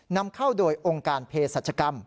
นำเข้าโดยองค์การเพศรัชกรรม